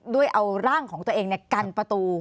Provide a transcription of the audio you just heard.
ด้วยเอาร่างของตัวเองกันประตู